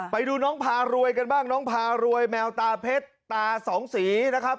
ไปดูน้องพารวยกันบ้างน้องพารวยแมวตาเพชรตาสองสีนะครับ